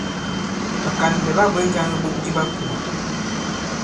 Ɓàkànlɛ̀ ɓa bwě jāŋ iɓok di ɓa kùà.